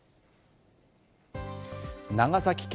長崎県